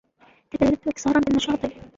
تبدلت اكسارا بالنشاط